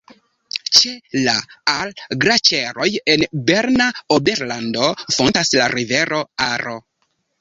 Ĉe la Ar-Glaĉeroj en Berna Oberlando fontas la rivero Aro.